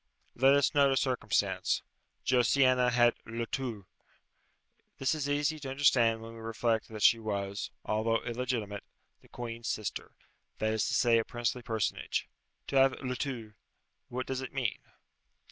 Let us note a circumstance. Josiana had le tour. This is easy to understand when we reflect that she was, although illegitimate, the queen's sister that is to say, a princely personage. To have le tour what does it mean?